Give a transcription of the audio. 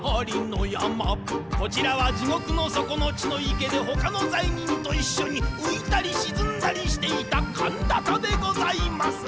「こちらは地獄の底の血の池で、ほかの罪人と一緒に、浮いたり沈んだりしていたカンダタでございます」。